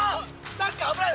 何か危ない。